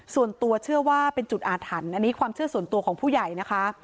ส่วนตัวเชื่อว่าเป็นจุดอาถรรพ์อันนี้ความเชื่อส่วนตัวของผู้ใหญ่นะคะ